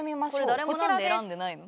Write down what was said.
誰も何で選んでないの？